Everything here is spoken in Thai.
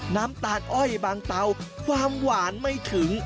น้ำตาลอ้อยบางเตาความหวานไม่ถึง